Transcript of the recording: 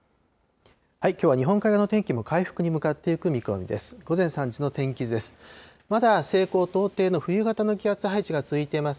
きょうは日本海側の天気も回復に向かっていく見込みです。